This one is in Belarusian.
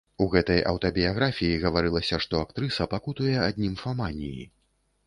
У гэтай аўтабіяграфіі гаварылася, што актрыса пакутуе ад німфаманіі.